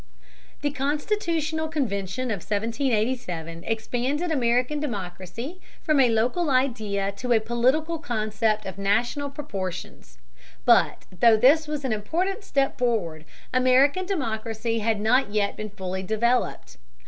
The constitutional convention of 1787 expanded American democracy from a local idea to a political concept of national proportions. But though this was an important step forward, American democracy had not yet been fully developed.